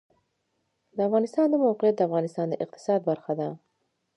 د افغانستان د موقعیت د افغانستان د اقتصاد برخه ده.